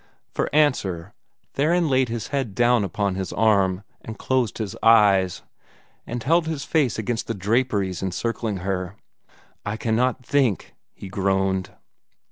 For answer Theron laid his head down upon his arm, and closed his eyes, and held his face against the draperies encircling her. "I cannot think!" he groaned.